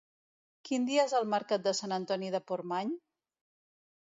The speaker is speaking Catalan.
Quin dia és el mercat de Sant Antoni de Portmany?